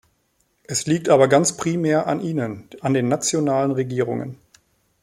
Es liegt aber ganz primär an Ihnen, an den nationalen Regierungen.